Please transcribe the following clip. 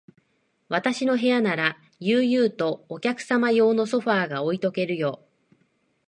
私の部屋なら、悠々とお客用のソファーが置いとけるよ。